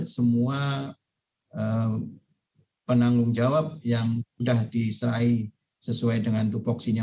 semua penanggung jawab yang sudah disesuaikan sesuai mitra